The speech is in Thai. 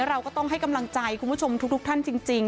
เราก็ต้องให้กำลังใจคุณผู้ชมทุกท่านจริง